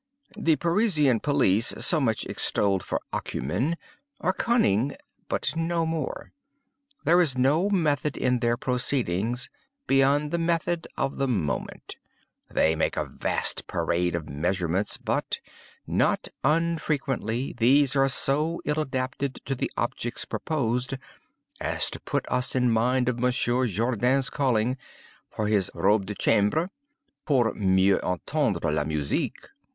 The Parisian police, so much extolled for acumen, are cunning, but no more. There is no method in their proceedings, beyond the method of the moment. They make a vast parade of measures; but, not unfrequently, these are so ill adapted to the objects proposed, as to put us in mind of Monsieur Jourdain's calling for his _robe de chambre—pour mieux entendre la musique.